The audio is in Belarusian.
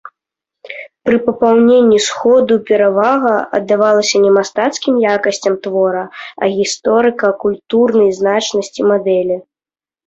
Пры папаўненні сходу перавага аддавалася не мастацкім якасцям твора, а гісторыка-культурнай значнасці мадэлі.